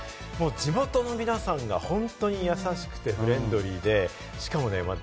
地元の皆さんが本当に優しくてフレンドリーで。